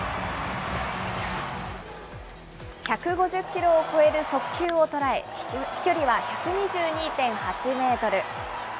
１５０キロを超える速球を捉え、飛距離は１２２．８メートル。